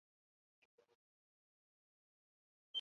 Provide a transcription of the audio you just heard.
Azkenean beste bahitu batzuekin trukea egin eta Kubara joan zen.